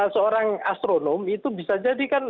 seorang astronom itu bisa jadi kan